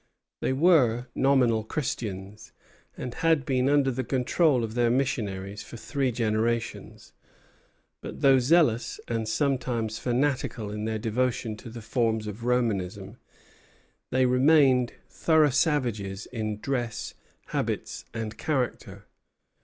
They were nominal Christians, and had been under the control of their missionaries for three generations; but though zealous and sometimes fanatical in their devotion to the forms of Romanism, they remained thorough savages in dress, habits, and character.